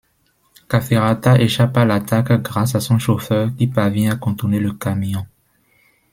Cafferata échappe à l'attaque grâce à son chauffeur qui parvient à contourner le camion.